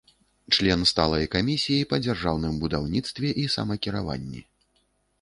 Член сталай камісіі па дзяржаўным будаўніцтве і самакіраванні.